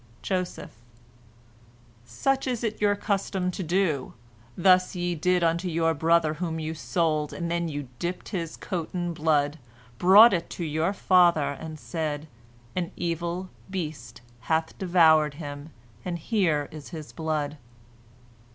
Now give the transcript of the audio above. Joseph: "Such is it your custom to do; thus ye did unto your brother whom you sold, and then you dipped his coat in blood, brought it to your father, and said, An evil beast hath devoured him, and here is his blood."